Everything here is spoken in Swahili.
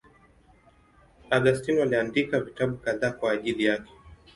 Augustino aliandika vitabu kadhaa kwa ajili yake.